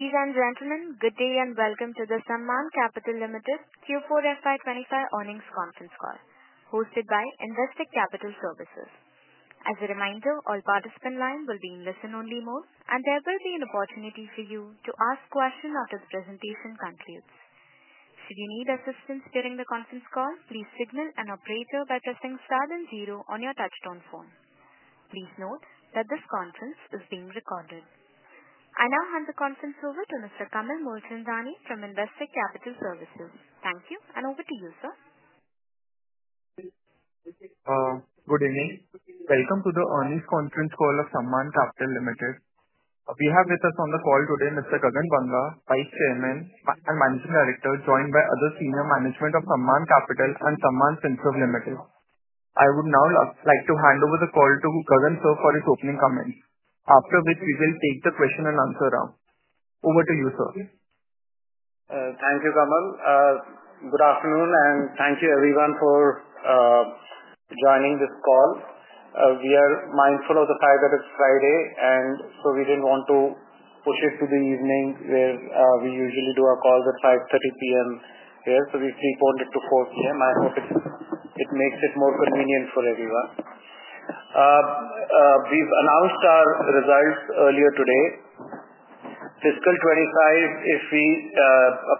[Ladies and gentlemen, good day and welcome to the Sammaan Capital Limited Q4FY25 Earnings Conference Call, hosted] by Investec Capital Services. As a reminder, all participant lines will be in listen-only mode, and there will be an opportunity for you to ask questions after the presentation concludes. Should you need assistance during the conference call, please signal an operator by pressing star then zero on your touch-tone phone. Please note that this conference is being recorded. I now hand the conference over to Mr. Kamal Mulchandani from Investec Capital Services. Thank you, and over to you, sir. Good evening. Welcome to the earnings conference call of Sammaan Capital Limited. We have with us on the call today Mr. Gagan Banga, Vice Chairman and Managing Director, joined by other senior management of Sammaan Capital and Sammaan FinServ Limited. I would now like to hand over the call to Gagan, sir, for his opening comments, after which we will take the question and answer round. Over to you, sir. Thank you, Kamal. Good afternoon, and thank you everyone for joining this call. We are mindful of the fact that it's Friday, and so we didn't want to push it to the evening where we usually do our calls at 5:30 P.M. here. So we've reprogrammed it to 4:00 P.M. I hope it makes it more convenient for everyone. We've announced our results earlier today. Fiscal 2025, if we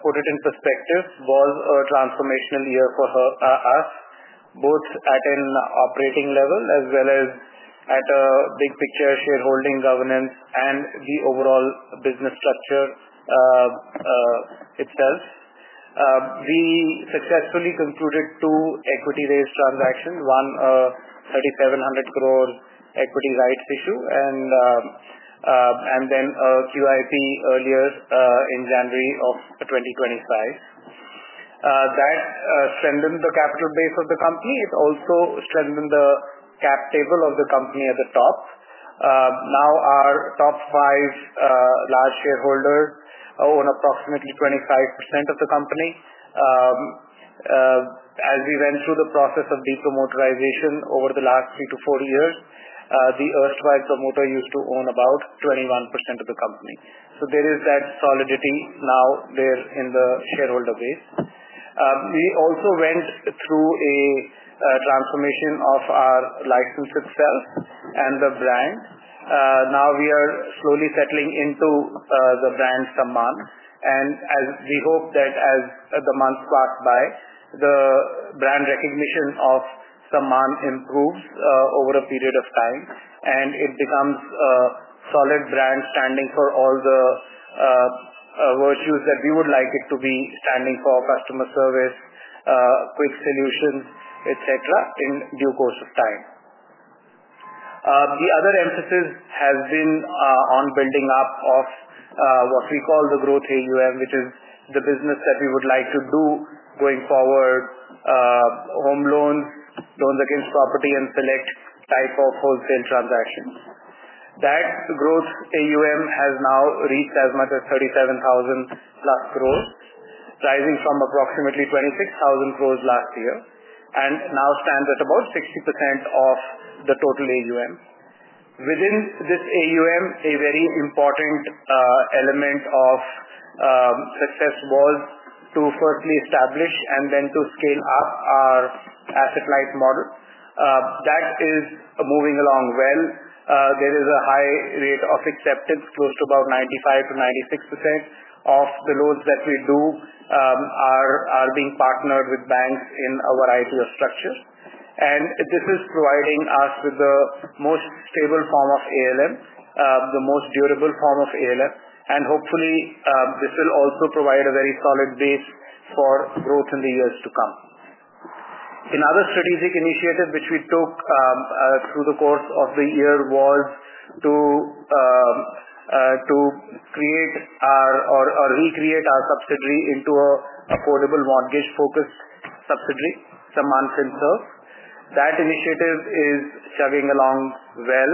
put it in perspective, was a transformational year for us, both at an operating level as well as at a big picture shareholding governance and the overall business structure itself. We successfully concluded two equity-based transactions, one a 3,700 crore equity rights issue, and then a QIP earlier in January of 2025. That strengthened the capital base of the company. It also strengthened the cap table of the company at the top. Now, our top five large shareholders own approximately 25% of the company. As we went through the process of de-promotorization over the last three to four years, the first five promoter used to own about 21% of the company. There is that solidity now there in the shareholder base. We also went through a transformation of our license itself and the brand. Now, we are slowly settling into the brand Sammaan, and we hope that as the months pass by, the brand recognition of Sammaan improves over a period of time, and it becomes a solid brand standing for all the virtues that we would like it to be standing for: customer service, quick solutions, etc., in due course of time. The other emphasis has been on building up of what we call the growth AUM, which is the business that we would like to do going forward: home loans, loans against property, and select type of wholesale transactions. That growth AUM has now reached as much as 37,000+ crore, rising from approximately 26,000 crore last year, and now stands at about 60% of the total AUM. Within this AUM, a very important element of success was to firstly establish and then to scale up our asset-light model. That is moving along well. There is a high rate of acceptance, close to about 95%-96% of the loans that we do are being partnered with banks in a variety of structures. This is providing us with the most stable form of ALM, the most durable form of ALM. Hopefully, this will also provide a very solid base for growth in the years to come. Another strategic initiative which we took through the course of the year was to recreate our subsidiary into an affordable mortgage-focused subsidiary, Sammaan FinServ. That initiative is chugging along well.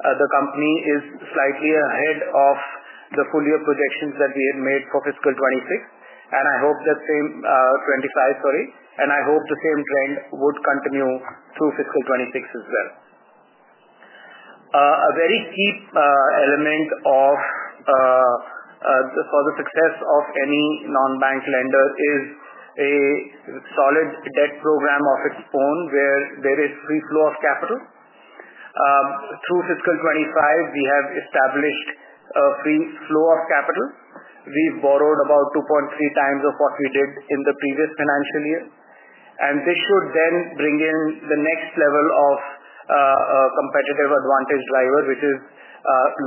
The company is slightly ahead of the full year projections that we had made for fiscal 2025, and I hope the same trend would continue through fiscal 2026 as well. A very key element for the success of any non-bank lender is a solid debt program of its own where there is free flow of capital. Through fiscal 2025, we have established a free flow of capital. We have borrowed about 2.3x what we did in the previous financial year. This should then bring in the next level of competitive advantage driver, which is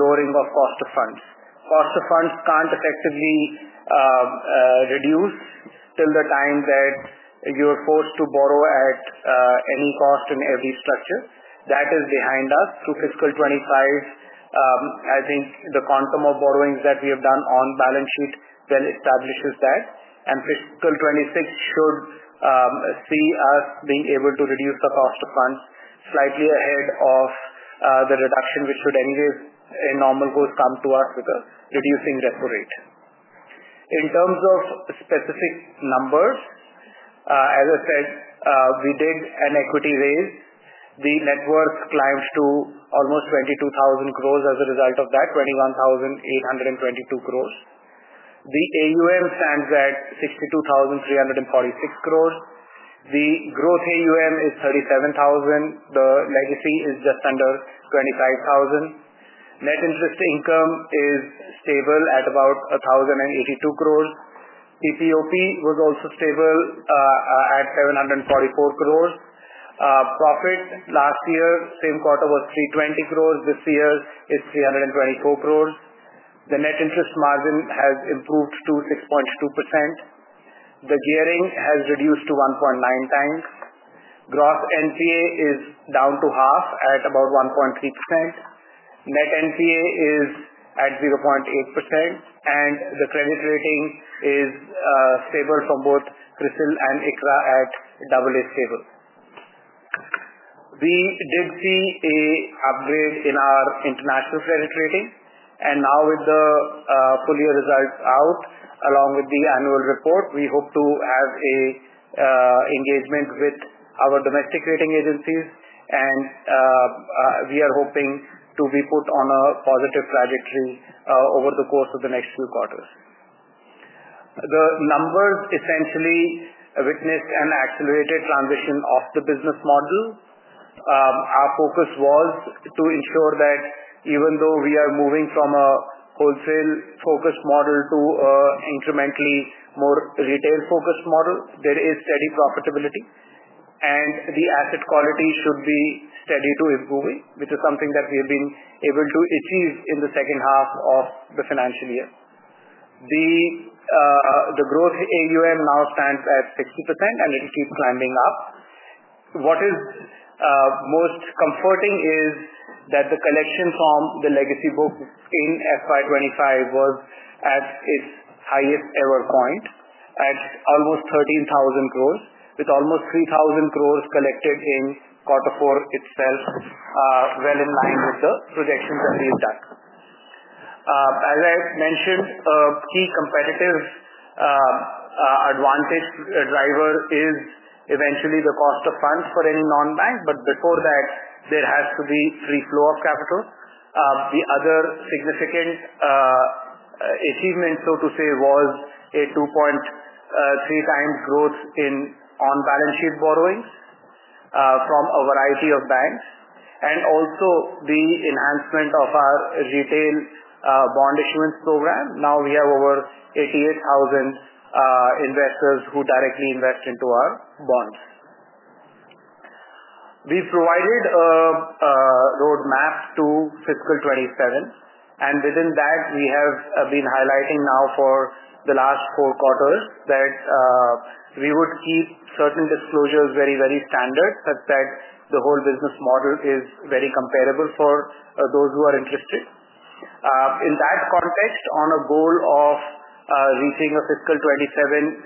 lowering of cost of funds. Cost of funds can't effectively reduce till the time that you're forced to borrow at any cost in every structure. That is behind us. Through fiscal 2025, I think the quantum of borrowings that we have done on balance sheet well establishes that. Fiscal 2026 should see us being able to reduce the cost of funds slightly ahead of the reduction, which should anyway, in normal course, come to us with a reducing repo rate. In terms of specific numbers, as I said, we did an equity raise. The net worth climbed to almost 22,000 crore as a result of that, 21,822 crore. The AUM stands at 62,346 crore. The growth AUM is 37,000 crore. The legacy is just under 25,000 crore. Net interest income is stable at about 1,082 crore. PPOP was also stable at 744 crore. Profit last year, same quarter, was 320 crore. This year, it's 324 crore. The net interest margin has improved to 6.2%. The gearing has reduced to 1.9x. Gross NPA is down to half at about 1.3%. Net NPA is at 0.8%, and the credit rating is stable from both CRISIL and ICRA at double A stable. We did see an upgrade in our international credit rating. Now, with the full year results out, along with the annual report, we hope to have an engagement with our domestic rating agencies, and we are hoping to be put on a positive trajectory over the course of the next few quarters. The numbers essentially witnessed an accelerated transition of the business model. Our focus was to ensure that even though we are moving from a wholesale-focused model to an incrementally more retail-focused model, there is steady profitability, and the asset quality should be steady to improving, which is something that we have been able to achieve in the second half of the financial year. The growth AUM now stands at 60%, and it will keep climbing up. What is most comforting is that the collection from the legacy book in FY 2025 was at its highest ever point at almost 13,000 crore, with almost 3,000 crore collected in quarter four itself, well in line with the projections that we have done. As I mentioned, a key competitive advantage driver is eventually the cost of funds for any non-bank. Before that, there has to be free flow of capital. The other significant achievement, so to say, was a 2.3x growth in on-balance sheet borrowings from a variety of banks and also the enhancement of our retail bond issuance program. Now, we have over 88,000 investors who directly invest into our bonds. We've provided a roadmap to fiscal 2027, and within that, we have been highlighting now for the last four quarters that we would keep certain disclosures very, very standard such that the whole business model is very comparable for those who are interested. In that context, on a goal of reaching a fiscal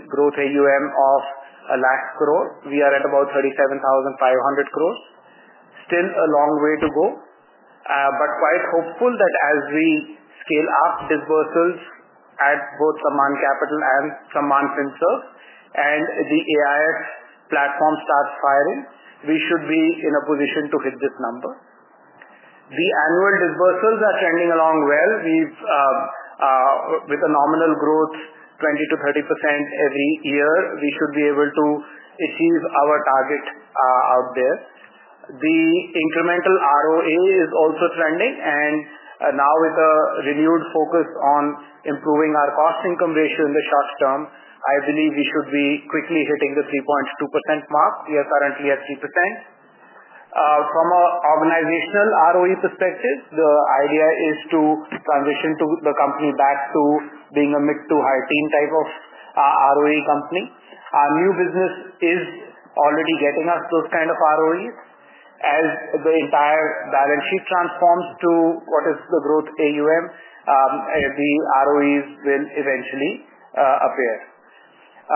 2027 growth AUM of 1 lakh crore, we are at about 37,500 crore. Still a long way to go, but quite hopeful that as we scale up disbursements at both Sammaan Capital and Sammaan FinServe and the AIF platform starts firing, we should be in a position to hit this number. The annual disbursements are trending along well. With a nominal growth of 20%-30% every year, we should be able to achieve our target out there. The incremental ROA is also trending, and now, with a renewed focus on improving our cost income ratio in the short term, I believe we should be quickly hitting the 3.2% mark. We are currently at 3%. From an organizational ROE perspective, the idea is to transition the company back to being a mid to high-teens type of ROE company. Our new business is already getting us those kinds of ROEs. As the entire balance sheet transforms to what is the growth AUM, the ROEs will eventually appear. We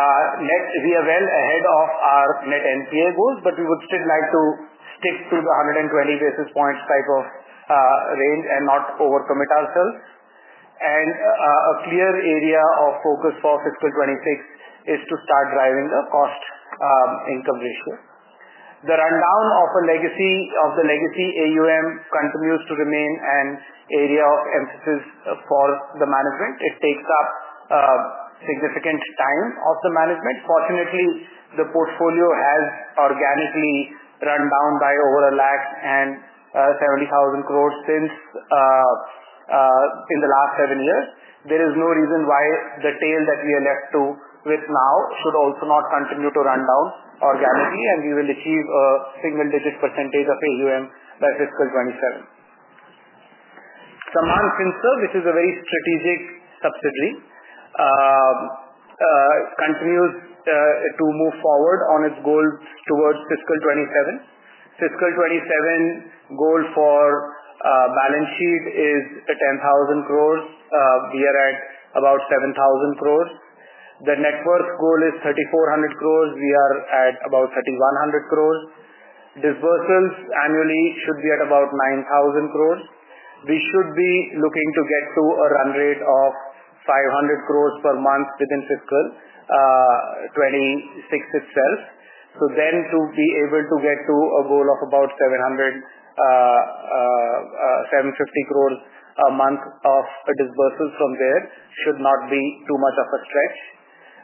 are well ahead of our net NPA goals, but we would still like to stick to the 120 basis points type of range and not overcommit ourselves. A clear area of focus for fiscal 2026 is to start driving the cost income ratio. The rundown of the legacy AUM continues to remain an area of emphasis for the management. It takes up significant time of the management. Fortunately, the portfolio has organically run down by over 1,70,000 crore in the last seven years. There is no reason why the tail that we are left with now should also not continue to run down organically, and we will achieve a single-digit % of AUM by fiscal 2027. Sammaan FinServ, which is a very strategic subsidiary, continues to move forward on its goals towards fiscal 2027. Fiscal 2027 goal for balance sheet is 10,000 crore. We are at about 7,000 crore. The net worth goal is 3,400 crore. We are at about 3,100 crore. Disbursements annually should be at about 9,000 crore. We should be looking to get to a run rate of 500 crore per month within fiscal 2026 itself. To be able to get to a goal of about 750 crore a month of disbursements from there should not be too much of a stretch.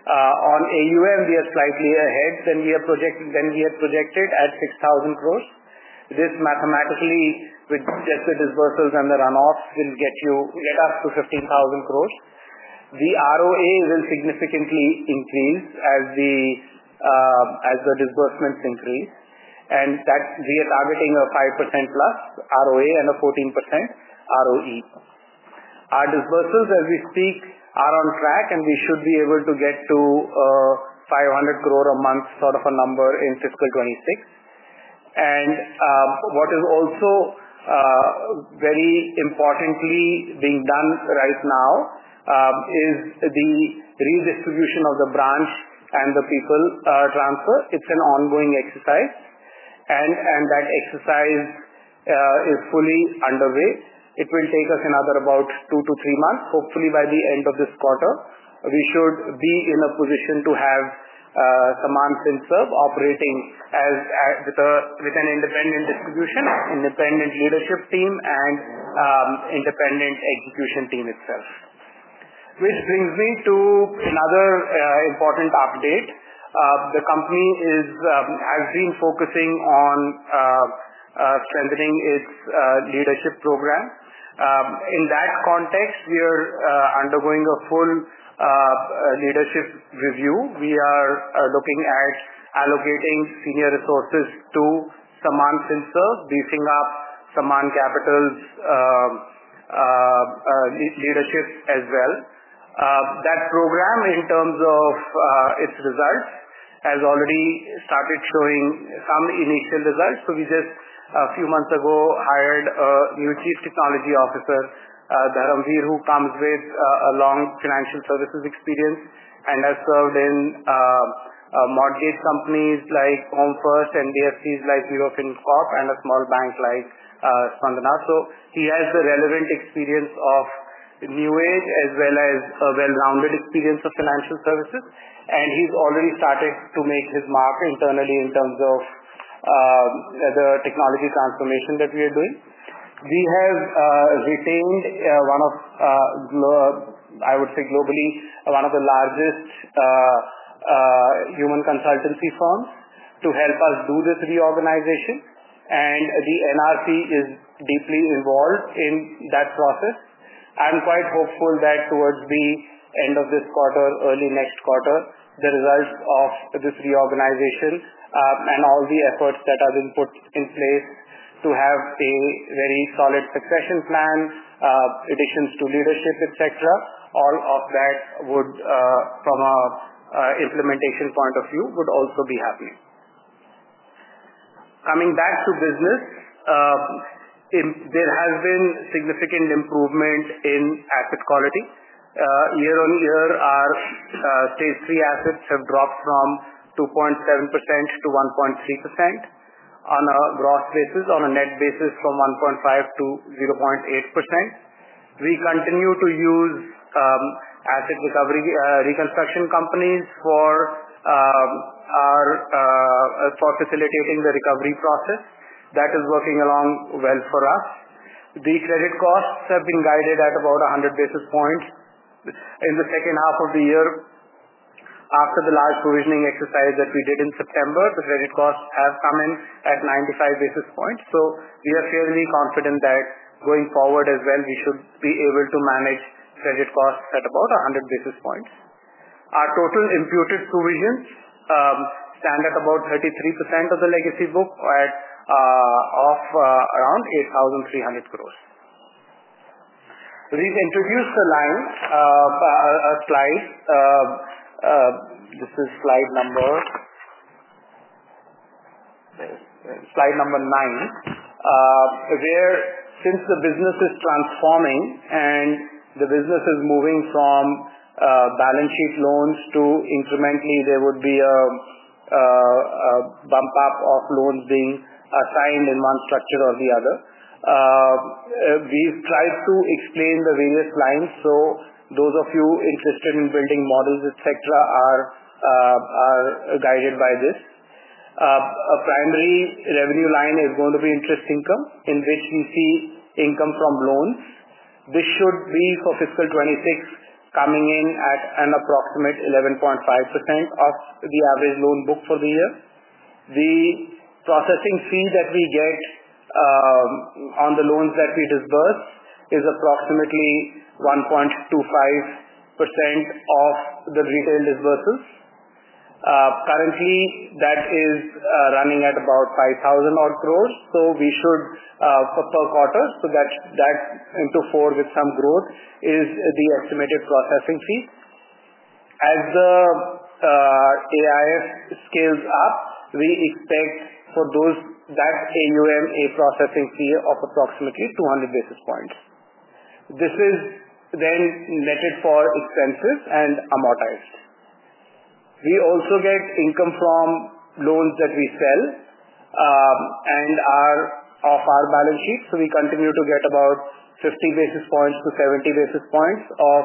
On AUM, we are slightly ahead than we had projected at 6,000 crore. This mathematically, with just the disbursements and the runoffs, will get us to 15,000 crore. The ROA will significantly increase as the disbursements increase, and we are targeting a 5% plus ROA and a 14% ROE. Our disbursements, as we speak, are on track, and we should be able to get to 500 crore a month, sort of a number in fiscal 2026. What is also very importantly being done right now is the redistribution of the branch and the people transfer. It's an ongoing exercise, and that exercise is fully underway. It will take us another about two to three months. Hopefully, by the end of this quarter, we should be in a position to have Sammaan FinServ operating with an independent distribution, independent leadership team, and independent execution team itself. Which brings me to another important update. The company has been focusing on strengthening its leadership program. In that context, we are undergoing a full leadership review. We are looking at allocating senior resources to Sammaan FinServ, beefing up Sammaan Capital's leadership as well. That program, in terms of its results, has already started showing some initial results. So we just, a few months ago, hired a new Chief Technology Officer, Dharamveer, who comes with a long financial services experience and has served in mortgage companies like Home First, NBFCs like Europe Incorporated, and a small bank like Swandhanath. He has the relevant experience of New Age as well as a well-rounded experience of financial services, and he's already started to make his mark internally in terms of the technology transformation that we are doing. We have retained one of, I would say, globally, one of the largest human consultancy firms to help us do this reorganization, and the NRC is deeply involved in that process. I'm quite hopeful that towards the end of this quarter, early next quarter, the results of this reorganization and all the efforts that have been put in place to have a very solid succession plan, additions to leadership, etc., all of that, from an implementation point of view, would also be happening. Coming back to business, there has been significant improvement in asset quality. Year on year, our stage three assets have dropped from 2.7%-1.3% on a gross basis, on a net basis from 1.5%-0.8%. We continue to use asset reconstruction companies for facilitating the recovery process. That is working along well for us. The credit costs have been guided at about 100 basis points. In the second half of the year, after the large provisioning exercise that we did in September, the credit costs have come in at 95 basis points. We are fairly confident that going forward as well, we should be able to manage credit costs at about 100 basis points. Our total imputed provisions stand at about 33% of the legacy book of around 8,300 crore. We have introduced a slide. This is slide number nine, where since the business is transforming and the business is moving from balance sheet loans to incrementally, there would be a bump-up of loans being assigned in one structure or the other. We have tried to explain the various lines, so those of you interested in building models, etc., are guided by this. A primary revenue line is going to be interest income, in which we see income from loans. This should be for fiscal 2026 coming in at an approximate 11.5% of the average loan book for the year. The processing fee that we get on the loans that we disburse is approximately 1.25% of the retail disbursements. Currently, that is running at about 5,000 crore. So we should, per quarter, so that into four with some growth is the estimated processing fee. As the AIS scales up, we expect for that AUM a processing fee of approximately 200 basis points. This is then netted for expenses and amortized. We also get income from loans that we sell and off our balance sheet, so we continue to get about 50 basis points-70 basis points of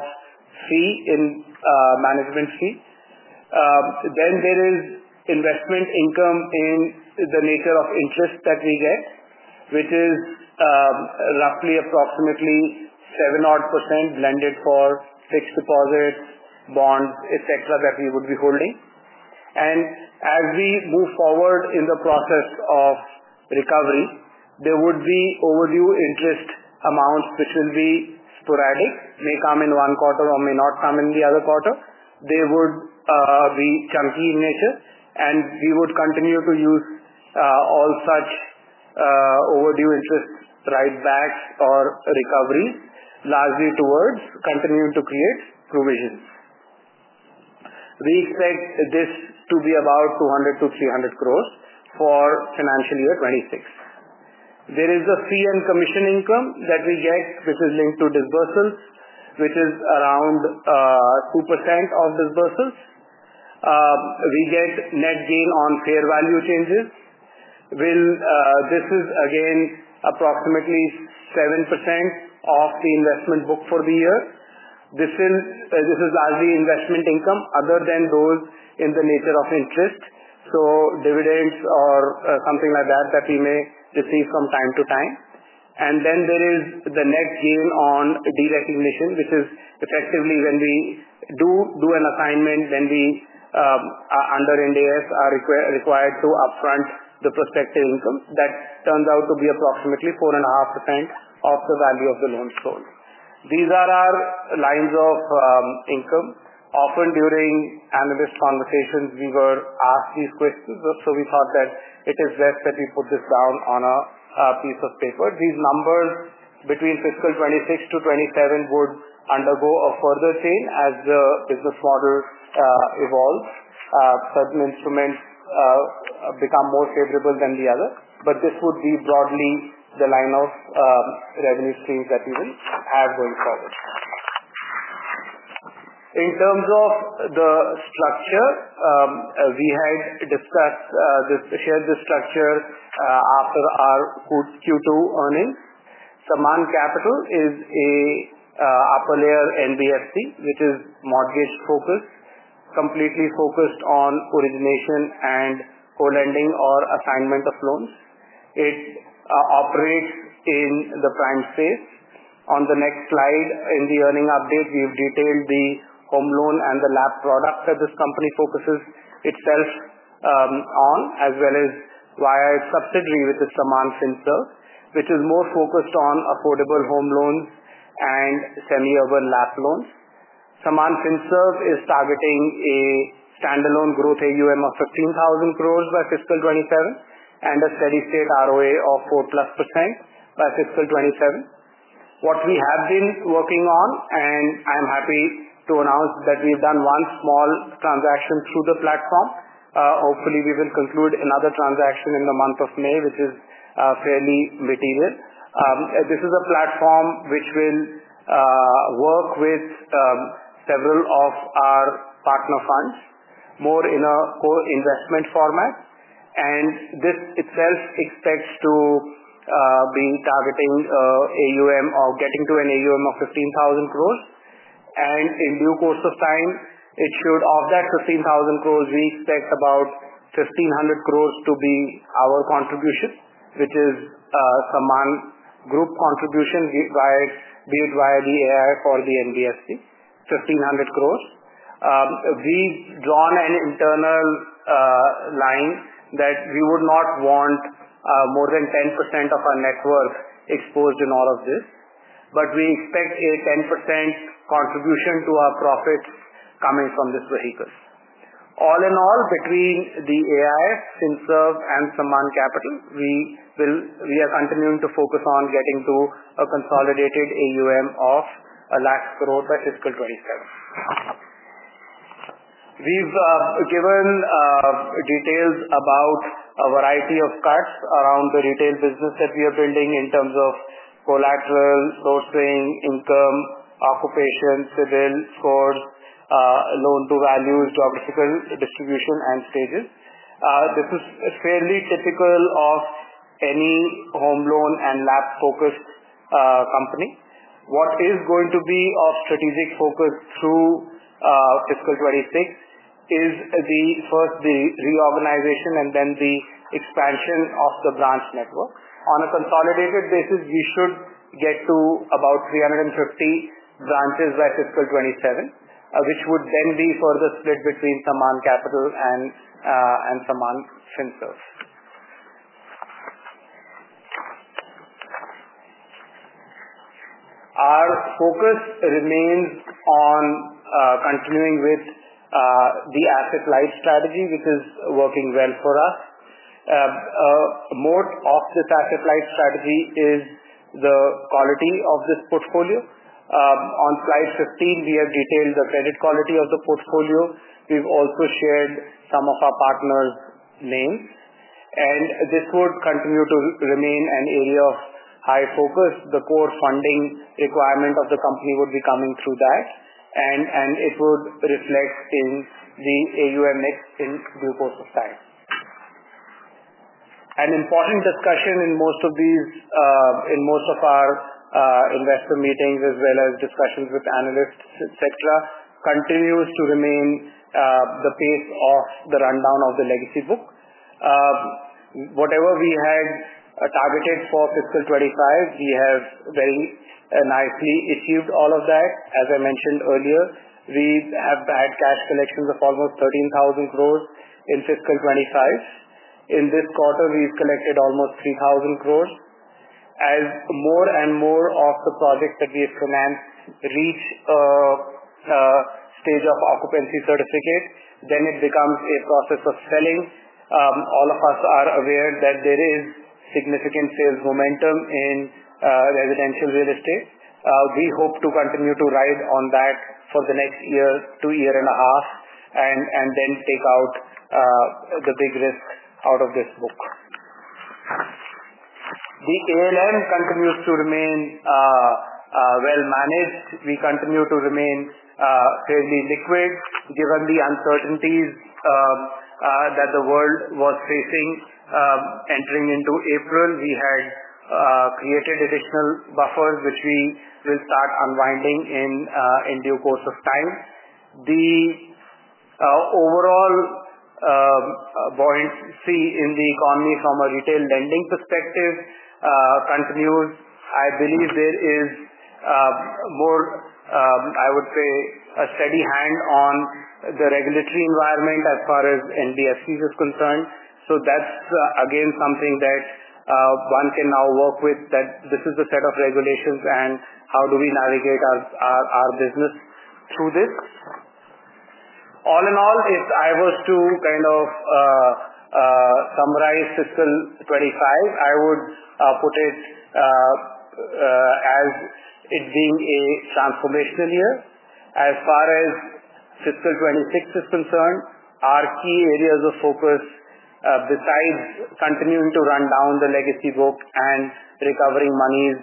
management fee. There is investment income in the nature of interest that we get, which is roughly approximately 7% blended for fixed deposits, bonds, etc., that we would be holding. As we move forward in the process of recovery, there would be overdue interest amounts, which will be sporadic. They may come in one quarter or may not come in the other quarter. They would be chunky in nature, and we would continue to use all such overdue interest write-backs or recoveries, largely towards continuing to create provisions. We expect this to be about 200 crore-300 crore for financial year 2026. There is a fee and commission income that we get, which is linked to disbursements, which is around 2% of disbursements. We get net gain on fair value changes. This is, again, approximately 7% of the investment book for the year. This is largely investment income other than those in the nature of interest, so dividends or something like that that we may receive from time to time. There is the net gain on derecognition, which is effectively when we do an assignment, then we under NDS are required to upfront the prospective income. That turns out to be approximately 4.5% of the value of the loans sold. These are our lines of income. Often, during analyst conversations, we were asked these questions, so we thought that it is best that we put this down on a piece of paper. These numbers between fiscal 2026-fiscal 2027 would undergo a further change as the business model evolves. Certain instruments become more favorable than the others, but this would be broadly the line of revenue streams that we will have going forward. In terms of the structure, we had discussed this shared structure after our Q2 earnings. Sammaan Capital is an upper-layer NBFC, which is mortgage-focused, completely focused on origination and co-lending or assignment of loans. It operates in the prime space. On the next slide, in the earning update, we have detailed the home loan and the LAP product that this company focuses itself on, as well as via its subsidiary with Sammaan FinServ, which is more focused on affordable home loans and semi-urban LAP loans. Sammaan FinServ is targeting a standalone growth AUM of 15,000 crore by fiscal 2027 and a steady-state ROA of 4+% by fiscal 2027. What we have been working on, and I'm happy to announce that we've done one small transaction through the platform. Hopefully, we will conclude another transaction in the month of May, which is fairly material. This is a platform which will work with several of our partner funds, more in a co-investment format. This itself expects to be targeting an AUM of getting to an AUM of 15,000 crore. In due course of time, it should, of that 15,000 crore, we expect about 1,500 crore to be our contribution, which is Sammaan Group contribution, be it via the AIF or the NBFC, 1,500 crore. We've drawn an internal line that we would not want more than 10% of our net worth exposed in all of this, but we expect a 10% contribution to our profits coming from this vehicle. All in all, between the AIF, FinServ, and Sammaan Capital, we are continuing to focus on getting to a consolidated AUM of 1 lakh crore by fiscal 2027. We've given details about a variety of cuts around the retail business that we are building in terms of collateral, sourcing, income, occupation, CIBIL scores, loan-to-values, geographical distribution, and stages. This is fairly typical of any home loan and LAP-focused company. What is going to be our strategic focus through fiscal 2026 is, first, the reorganization and then the expansion of the branch network. On a consolidated basis, we should get to about 350 branches by fiscal 2027, which would then be further split between Sammaan Capital and Sammaan FinServ. Our focus remains on continuing with the asset light strategy, which is working well for us. More of this asset light strategy is the quality of this portfolio. On slide 15, we have detailed the credit quality of the portfolio. We've also shared some of our partners' names, and this would continue to remain an area of high focus. The core funding requirement of the company would be coming through that, and it would reflect in the AUM mix in due course of time. An important discussion in most of our investor meetings, as well as discussions with analysts, etc., continues to remain the pace of the rundown of the legacy book. Whatever we had targeted for fiscal 2025, we have very nicely achieved all of that. As I mentioned earlier, we have had cash collections of almost 13,000 crore in fiscal 2025. In this quarter, we've collected almost 3,000 crore. As more and more of the projects that we have financed reach a stage of occupancy certificate, then it becomes a process of selling. All of us are aware that there is significant sales momentum in residential real estate. We hope to continue to ride on that for the next year, two years and a half, and then take out the big risk out of this book. The ALM continues to remain well-managed. We continue to remain fairly liquid, given the uncertainties that the world was facing entering into April. We had created additional buffers, which we will start unwinding in due course of time. The overall buoyancy in the economy from a retail lending perspective continues. I believe there is more, I would say, a steady hand on the regulatory environment as far as NBFCs are concerned. That is, again, something that one can now work with, that this is the set of regulations and how do we navigate our business through this. All in all, if I was to kind of summarize fiscal 2025, I would put it as it being a transformational year. As far as fiscal 2026 is concerned, our key areas of focus, besides continuing to rundown the legacy book and recovering monies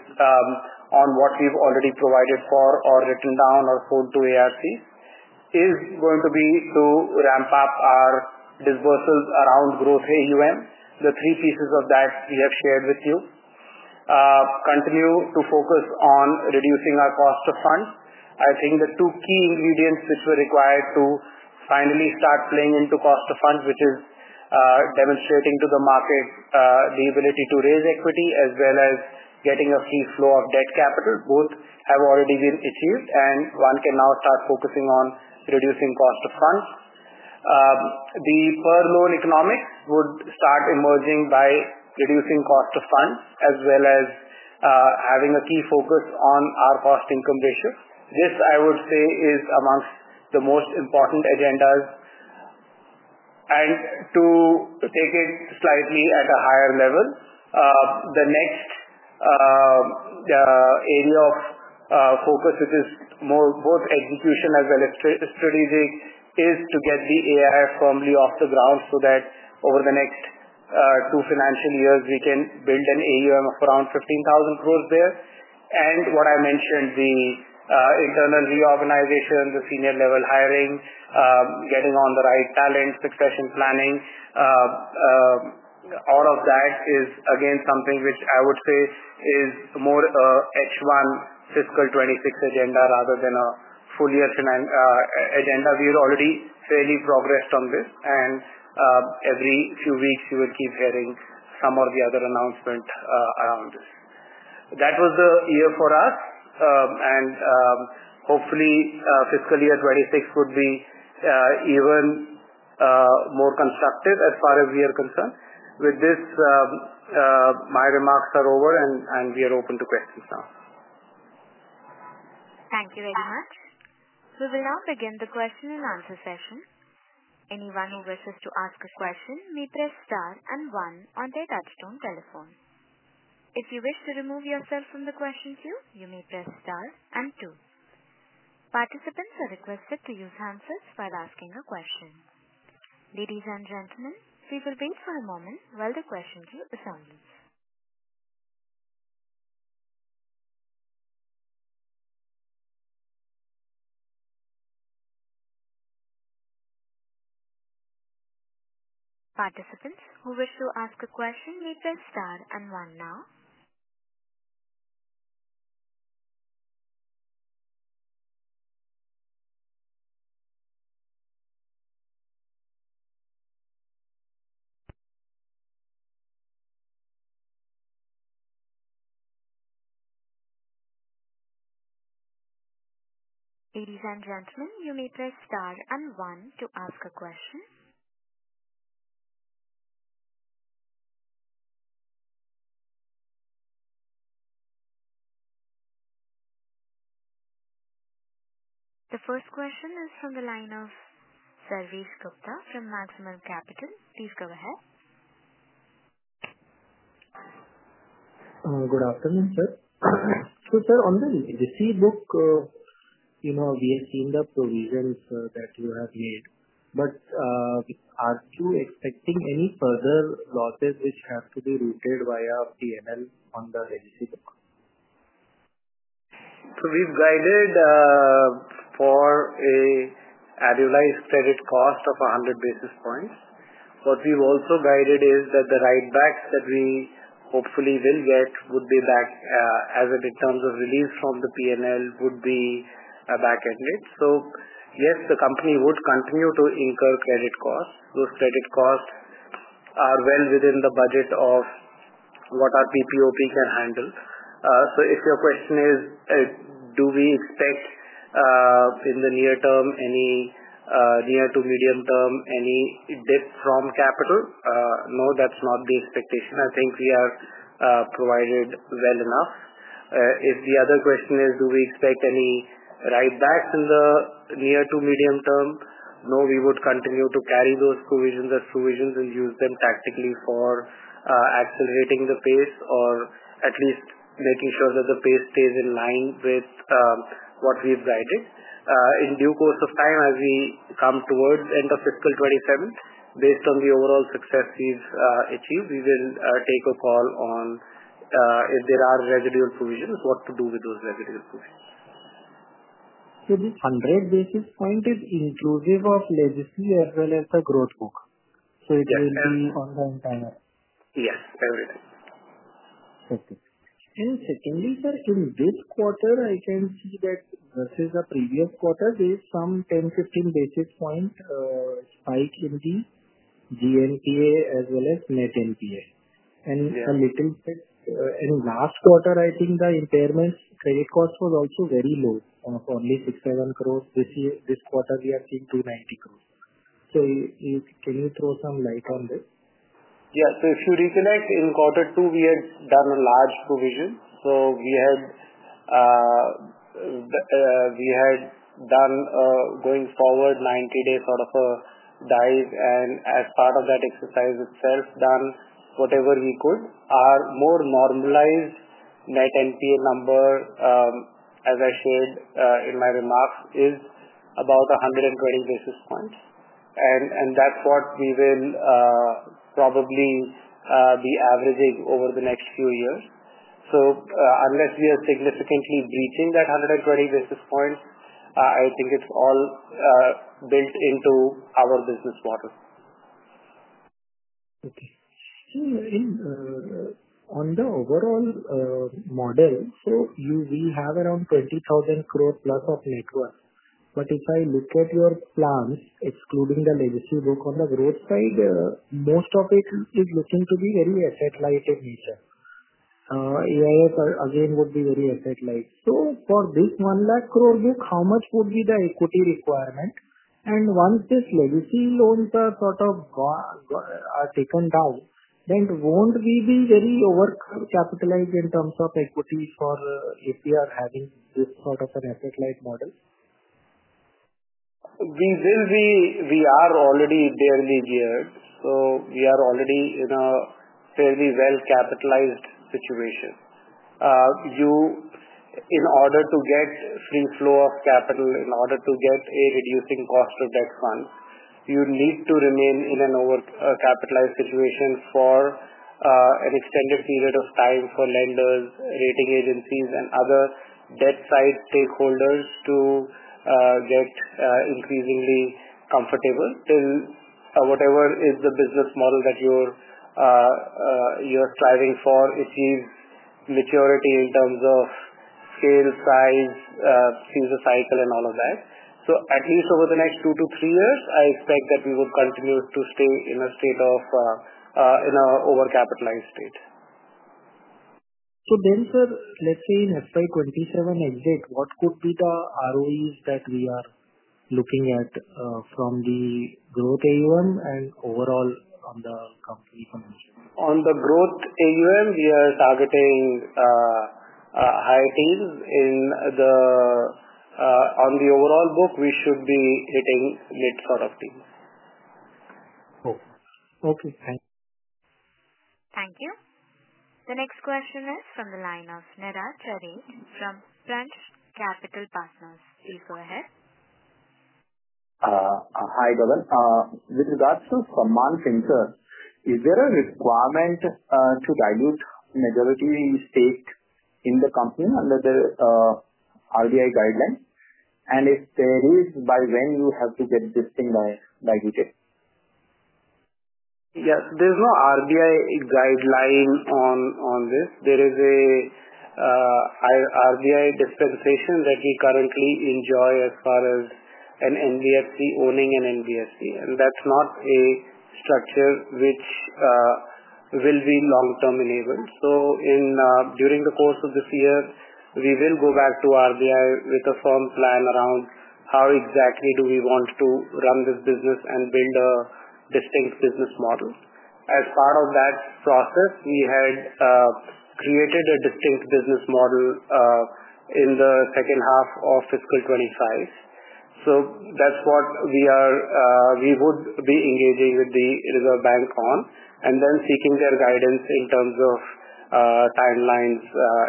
on what we've already provided for or written down or sold to ARCs, is going to be to ramp up our disbursements around growth AUM, the three pieces of that we have shared with you. Continue to focus on reducing our cost of funds. I think the two key ingredients which were required to finally start playing into cost of funds, which is demonstrating to the market the ability to raise equity as well as getting a free flow of debt capital, both have already been achieved, and one can now start focusing on reducing cost of funds. The per loan economics would start emerging by reducing cost of funds as well as having a key focus on our cost-income ratio. This, I would say, is amongst the most important agendas. To take it slightly at a higher level, the next area of focus, which is both execution as well as strategic, is to get the AIF firmly off the ground so that over the next two financial years, we can build an AUM of around 15,000 crore there. What I mentioned, the internal reorganization, the senior-level hiring, getting on the right talent, succession planning, all of that is, again, something which I would say is more a H1 fiscal 2026 agenda rather than a full-year agenda. We have already fairly progressed on this, and every few weeks, you will keep hearing some or the other announcement around this. That was the year for us, and hopefully, fiscal year 2026 would be even more constructive as far as we are concerned. With this, my remarks are over, and we are open to questions now. Thank you very much. We will now begin the question-and-answer session. Anyone who wishes to ask a question may press star and one on their touchstone telephone. If you wish to remove yourself from the question queue, you may press star and two. Participants are requested to use handsets while asking a question. Ladies and gentlemen, we will wait for a moment while the question queue assembles. Participants who wish to ask a question may press star and one now. Ladies and gentlemen, you may press star and one to ask a question. The first question is from the line of Sarvesh Gupta from Maximal Capital. Please go ahead. Good afternoon, sir. Sir, on the NBFC book, we have seen the provisions that you have made, but are you expecting any further losses which have to be routed via P&L on the NBFC book? We have guided for an annualized credit cost of 100 basis points. What we have also guided is that the write-backs that we hopefully will get would be back, as in terms of release from the P&L, would be back-ended. Yes, the company would continue to incur credit costs. Those credit costs are well within the budget of what our PPOP can handle. If your question is, do we expect in the near term, any near to medium term, any dip from capital? No, that is not the expectation. I think we are provided well enough. If the other question is, do we expect any write-backs in the near to medium term? No, we would continue to carry those provisions as provisions and use them tactically for accelerating the pace or at least making sure that the pace stays in line with what we've guided. In due course of time, as we come towards the end of fiscal 2027, based on the overall success we've achieved, we will take a call on if there are residual provisions, what to do with those residual provisions. This 100 basis point is inclusive of legacy as well as the growth book? It will be on the entire? Yes, everything. Okay. Secondly, sir, in this quarter, I can see that versus the previous quarter, there is some 10-15 basis point spike in the GNPA as well as Net NPA. A little bit, in last quarter, I think the impairment credit cost was also very low, only 6,000 crore. This quarter, we are seeing 290 crore. Can you throw some light on this? Yeah. If you recollect, in quarter two, we had done a large provision. We had done, going forward, a 90-day sort of a dive, and as part of that exercise itself, done whatever we could. Our more normalized Net NPA number, as I shared in my remarks, is about 120 basis points. That is what we will probably be averaging over the next few years. Unless we are significantly breaching that 120 basis points, I think it is all built into our business model. Okay. On the overall model, we have around 20,000 crore plus of net worth. If I look at your plans, excluding the legacy book on the growth side, most of it is looking to be very asset-light in nature. AIF, again, would be very asset-light. For this one lakh crore book, how much would be the equity requirement? Once these legacy loans are sort of taken down, then will we not be very over-capitalized in terms of equity if we are having this sort of an asset-light model? We are already barely geared. We are already in a fairly well-capitalized situation. In order to get free flow of capital, in order to get a reducing cost of debt funds, you need to remain in an over-capitalized situation for an extended period of time for lenders, rating agencies, and other debt-side stakeholders to get increasingly comfortable. Until whatever is the business model that you are striving for achieves maturity in terms of scale, size, season cycle, and all of that. At least over the next two to three years, I expect that we will continue to stay in a state of an over-capitalized state. Then, sir, let's say in FY 2027 exit, what could be the ROEs that we are looking at from the growth AUM and overall on the company financial? On the growth AUM, we are targeting higher teens. On the overall book, we should be hitting mid sort of teens. Okay. Okay. Thank you. Thank you. The next question is from the line of Narath Jared from Branch Capital Partners. Please go ahead. Hi, Dawal. With regards to Sammaan FinServe, is there a requirement to dilute majority stake in the company under the RBI guideline? And if there is, by when do you have to get this thing diluted? Yes. There is no RBI guideline on this. There is a RBI dispensation that we currently enjoy as far as an NBFC owning an NBFC. That's not a structure which will be long-term enabled. During the course of this year, we will go back to RBI with a firm plan around how exactly do we want to run this business and build a distinct business model. As part of that process, we had created a distinct business model in the second half of fiscal 2025. That's what we would be engaging with the Reserve Bank on and then seeking their guidance in terms of timelines,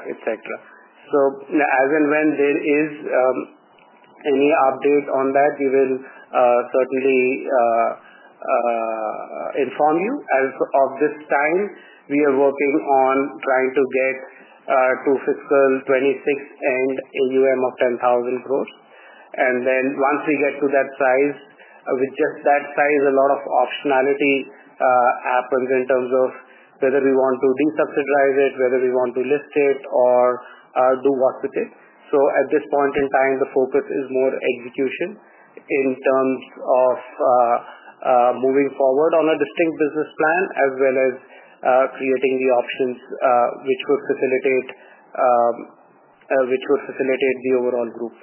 etc. As and when there is any update on that, we will certainly inform you. As of this time, we are working on trying to get to fiscal 2026 and AUM of 10,000 crore. Once we get to that size, with just that size, a lot of optionality happens in terms of whether we want to desubsidize it, whether we want to list it, or do what with it. At this point in time, the focus is more execution in terms of moving forward on a distinct business plan as well as creating the options which would facilitate the overall group.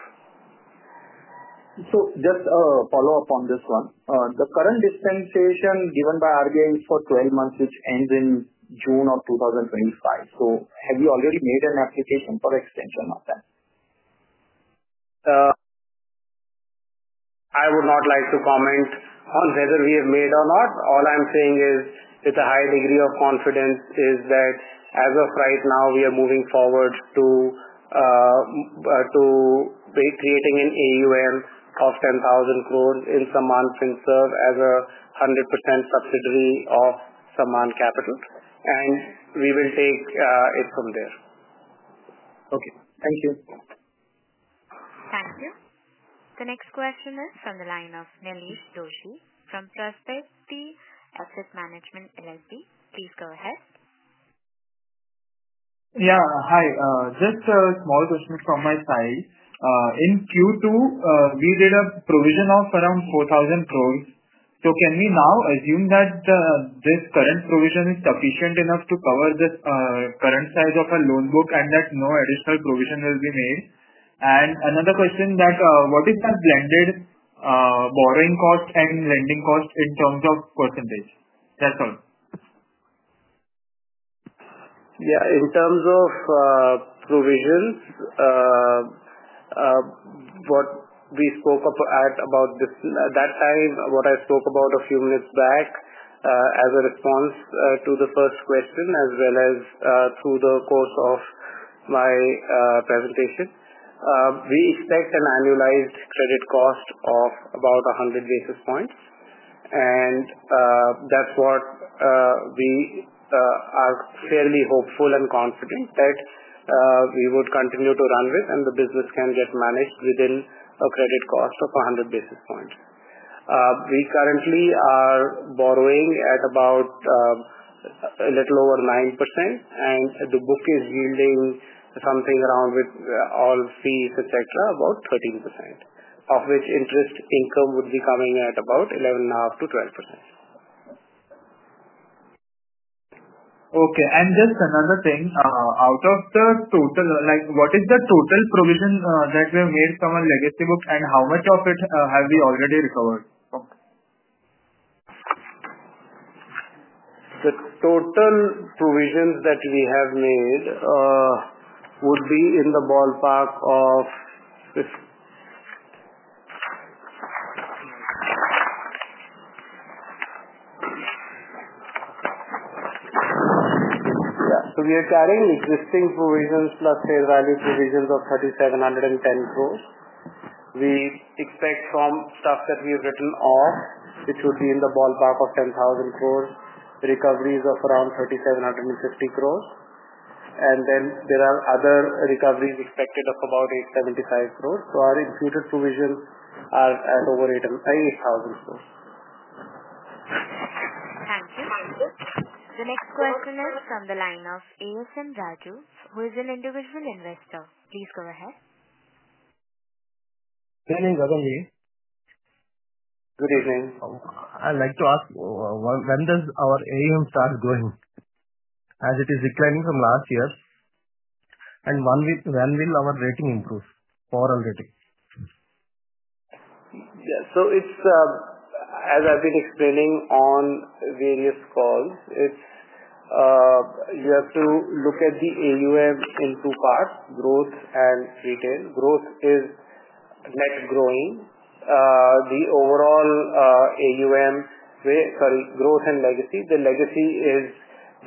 Just a follow-up on this one. The current dispensation given by RBI is for 12 months, which ends in June of 2025. Have you already made an application for extension of that? I would not like to comment on whether we have made or not. All I'm saying is with a high degree of confidence is that as of right now, we are moving forward to creating an AUM of 10,000 crore in Sammaan FinServe as a 100% subsidiary of Sammaan Capital Limited. And we will take it from there. Okay. Thank you. Thank you. The next question is from the line of Nilesh Doshi from Prosperity Asset Management LLP. Please go ahead. Yeah. Hi. Just a small question from my side. In Q2, we did a provision of around 4,000 crore. So can we now assume that this current provision is sufficient enough to cover the current size of our loan book and that no additional provision will be made? And another question that what is the blended borrowing cost and lending cost in terms of %? That's all. Yeah. In terms of provisions, what we spoke at about that time, what I spoke about a few minutes back as a response to the first question as well as through the course of my presentation, we expect an annualized credit cost of about 100 basis points. That is what we are fairly hopeful and confident that we would continue to run with, and the business can get managed within a credit cost of 100 basis points. We currently are borrowing at about a little over 9%, and the book is yielding something around, with all fees, etc., about 13%, of which interest income would be coming at about 11.5%-12%. Okay. Just another thing. Out of the total, what is the total provision that we have made from our legacy book, and how much of it have we already recovered? The total provisions that we have made would be in the ballpark of, yeah. So we are carrying existing provisions plus fair value provisions of 3,710 crore. We expect from stuff that we have written off, which would be in the ballpark of 10,000 crore, recoveries of around 3,750 crore. And then there are other recoveries expected of about 875 crore. So our imputed provisions are at over 8,000 crore. Thank you. The next question is from the line of ASM Raju, who is an individual investor. Please go ahead. Good evening, Dharamveer. Good evening. I'd like to ask, when does our AUM start going as it is declining from last year? And when will our rating improve? Overall rating. Yeah. So as I've been explaining on various calls, you have to look at the AUM in two parts: growth and retail. Growth is net growing. The overall AUM, sorry, growth and legacy. The legacy is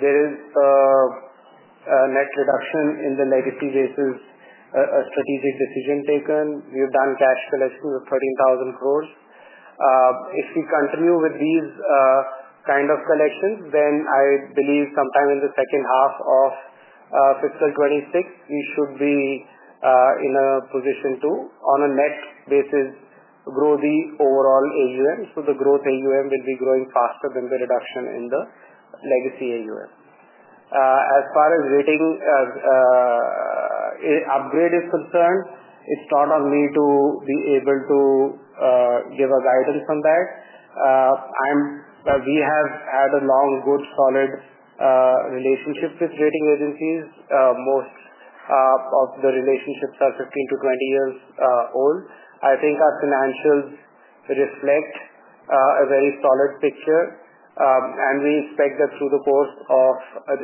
there is a net reduction in the legacy basis strategic decision taken. We have done cash collections of 13,000 crore. If we continue with these kind of collections, then I believe sometime in the second half of fiscal 2026, we should be in a position to, on a net basis, grow the overall AUM. The growth AUM will be growing faster than the reduction in the legacy AUM. As far as rating upgrade is concerned, it's not on me to be able to give a guidance on that. We have had a long, good, solid relationship with rating agencies. Most of the relationships are 15-20 years old. I think our financials reflect a very solid picture. We expect that through the course of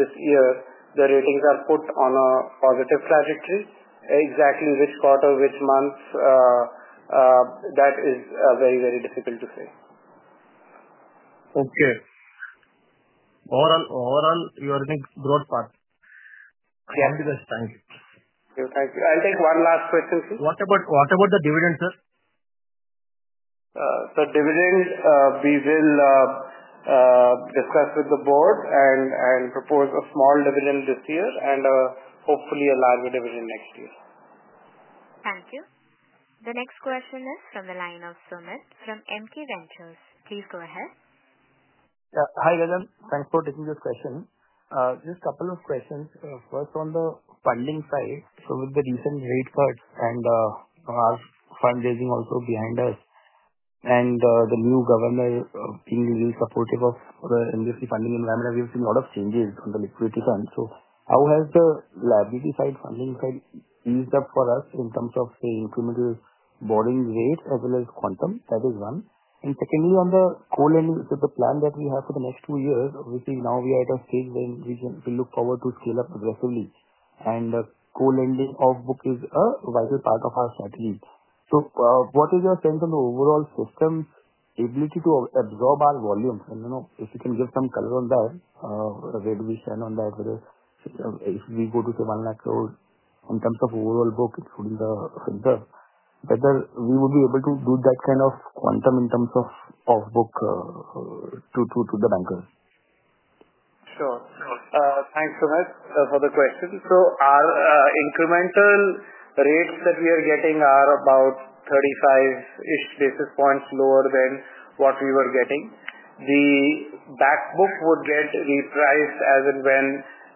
this year, the ratings are put on a positive trajectory. Exactly which quarter, which month, that is very, very difficult to say. Okay. Overall, you are doing growth part. Thank you. Thank you. I'll take one last question, sir. What about the dividend, sir? So dividend, we will discuss with the board and propose a small dividend this year and hopefully a larger dividend next year. Thank you. The next question is from the line of Sumit from MKVentures. Please go ahead. Hi, Dawal. Thanks for taking this question. Just a couple of questions. First, on the funding side, with the recent rate cuts and our fundraising also behind us and the new governor being really supportive of the NBFC funding environment, we have seen a lot of changes on the liquidity front. How has the liability side, funding side, eased up for us in terms of the incremental borrowing rate as well as quantum? That is one. Secondly, on the co-lending, the plan that we have for the next two years, obviously now we are at a stage when we look forward to scale up aggressively. The co-lending book is a vital part of our strategy. What is your sense on the overall system's ability to absorb our volume? If you can give some color on that, a red vision on that, whether if we go to say 1 lakh crore in terms of overall book, including the fintech, whether we would be able to do that kind of quantum in terms of off-book to the bankers? Sure. Thanks so much for the question. Our incremental rates that we are getting are about 35-ish basis points lower than what we were getting. The backbook would get repriced as and when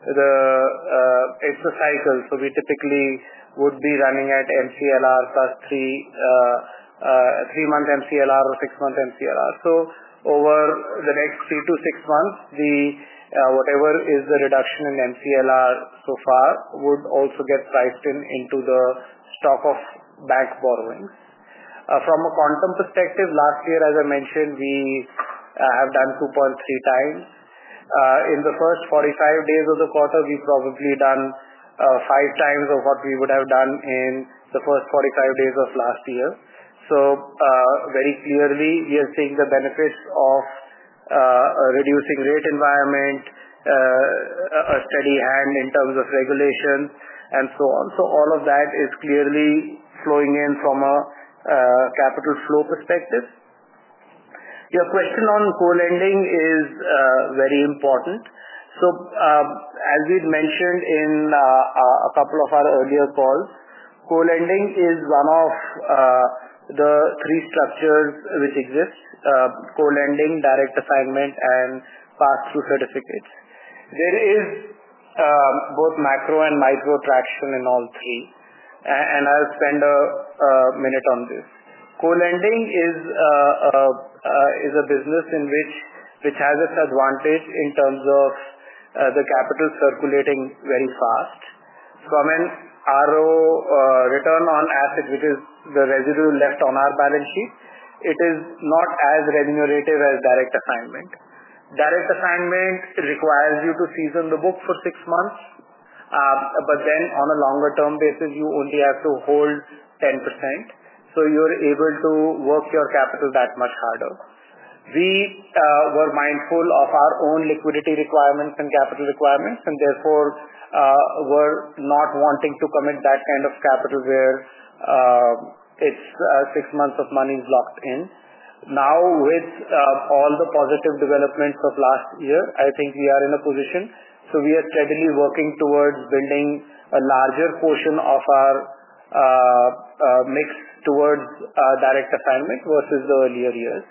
it's a cycle. We typically would be running at MCLR plus three-month MCLR or six-month MCLR. Over the next three to six months, whatever is the reduction in MCLR so far would also get priced into the stock of bank borrowing. From a quantum perspective, last year, as I mentioned, we have done 2.3x. In the first 45 days of the quarter, we've probably done five times of what we would have done in the first 45 days of last year. Very clearly, we are seeing the benefits of a reducing rate environment, a steady hand in terms of regulation, and so on. All of that is clearly flowing in from a capital flow perspective. Your question on co-lending is very important. As we'd mentioned in a couple of our earlier calls, co-lending is one of the three structures which exist: co-lending, direct assignment, and pass-through certificates. There is both macro and micro traction in all three. I'll spend a minute on this. Co-lending is a business in which has its advantage in terms of the capital circulating very fast. From an RO return on asset, which is the residual left on our balance sheet, it is not as remunerative as direct assignment. Direct assignment requires you to season the book for six months, but then on a longer-term basis, you only have to hold 10%. You're able to work your capital that much harder. We were mindful of our own liquidity requirements and capital requirements, and therefore were not wanting to commit that kind of capital where six months of money is locked in. Now, with all the positive developments of last year, I think we are in a position. We are steadily working towards building a larger portion of our mix towards direct assignment versus the earlier years.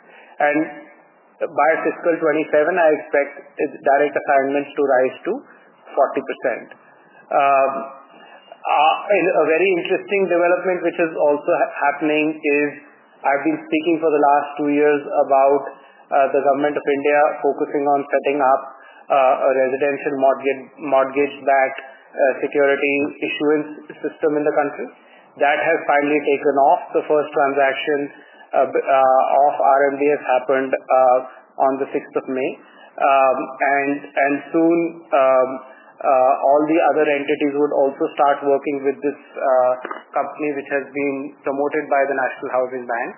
By fiscal 2027, I expect direct assignments to rise to 40%. A very interesting development which is also happening is I have been speaking for the last two years about the government of India focusing on setting up a residential mortgage-backed security issuance system in the country. That has finally taken off. The first transaction of RMBS happened on the 6th of May. Soon, all the other entities would also start working with this company, which has been promoted by the National Housing Bank.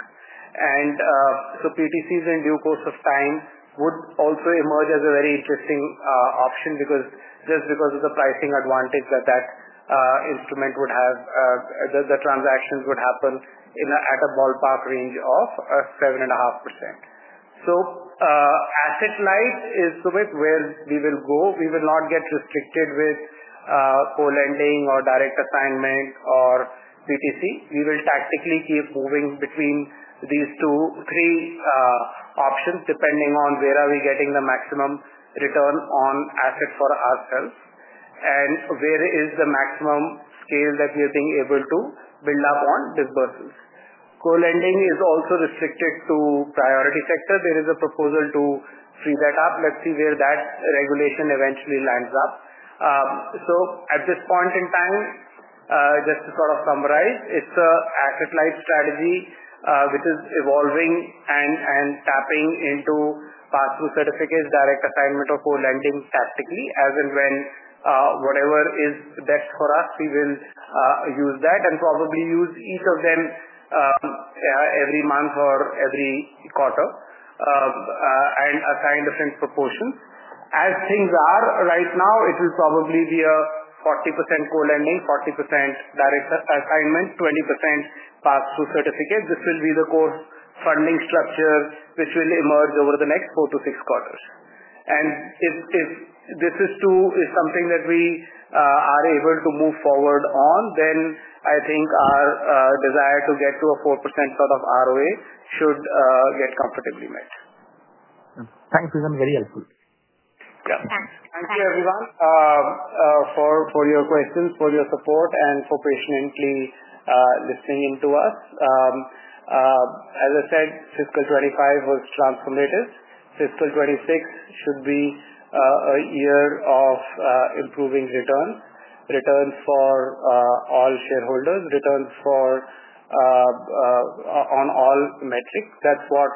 PTCs in due course of time would also emerge as a very interesting option just because of the pricing advantage that that instrument would have. The transactions would happen at a ballpark range of 7.5%. Asset light is somewhere where we will go. We will not get restricted with co-lending or direct assignment or PTC. We will tactically keep moving between these three options depending on where we are getting the maximum return on asset for ourselves and where is the maximum scale that we have been able to build up on disbursements. Co-lending is also restricted to priority sector. There is a proposal to free that up. Let's see where that regulation eventually lands up. At this point in time, just to sort of summarize, it is an asset light strategy which is evolving and tapping into pass-through certificates, direct assignment, or co-lending tactically. As and when whatever is best for us, we will use that and probably use each of them every month or every quarter and assign different proportions. As things are right now, it will probably be a 40% co-lending, 40% direct assignment, 20% pass-through certificates. This will be the core funding structure which will emerge over the next four to six quarters. If this is something that we are able to move forward on, then I think our desire to get to a 4% sort of ROA should get comfortably met. Thanks. This has been very helpful. Thank you, everyone, for your questions, for your support, and for patiently listening in to us. As I said, fiscal 2025 was transformative. Fiscal 2026 should be a year of improving returns, returns for all shareholders, returns on all metrics. That is what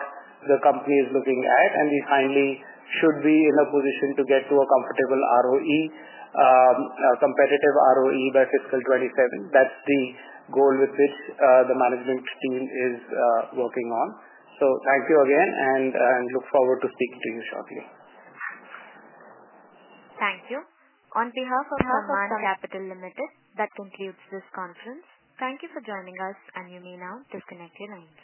the company is looking at. We finally should be in a position to get to a competitive ROE by fiscal 2027. That is the goal with which the management team is working on. Thank you again, and look forward to speaking to you shortly. Thank you. On behalf of Sammaan Capital Limited, that concludes this conference. Thank you for joining us, and you may now disconnect your line.